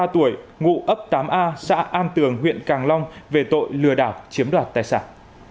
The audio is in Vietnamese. ba mươi tuổi ngụ ấp tám a xã an tường huyện càng long về tội lừa đảo chiếm đoạt tài sản